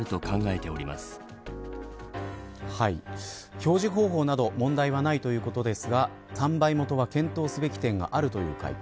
表示方法など問題はないということですが販売元は、検討すべき点があるという回答。